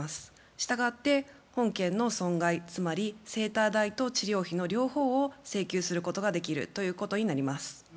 したがって本件の損害つまりセーター代と治療費の両方を請求することができるということになります。